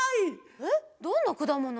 えっどんなくだもの？